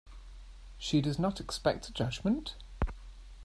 She does not expect a judgment?